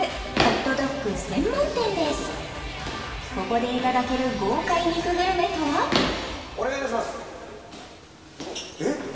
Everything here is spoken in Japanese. ここでいただける豪快肉グルメとはお願いいたしますえっ！？